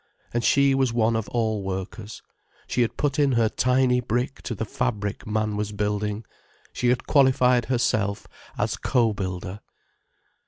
And she was one of all workers, she had put in her tiny brick to the fabric man was building, she had qualified herself as co builder.